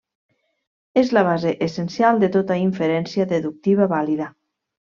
És la base essencial de tota inferència deductiva vàlida.